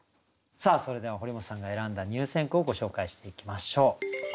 さあそれでは堀本さんが選んだ入選句をご紹介していきましょう。